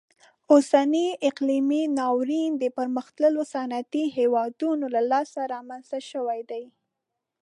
اوسنی اقلیمي ناورین د پرمختللو صنعتي هیوادونو له لاسه رامنځته شوی دی.